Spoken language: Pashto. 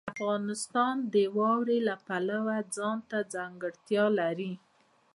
افغانستان د واوره د پلوه ځانته ځانګړتیا لري.